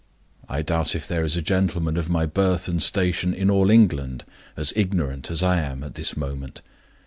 I doubt if there is a gentleman of my birth and station in all England as ignorant as I am at this moment.